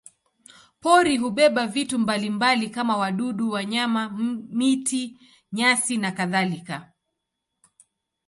Pori hubeba vitu mbalimbali kama wadudu, wanyama, miti, nyasi nakadhalika.